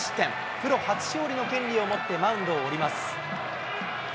プロ初勝利の権利を持って、マウンドを降ります。